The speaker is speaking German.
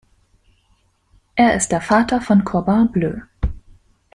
Er ist der Vater von Corbin Bleu.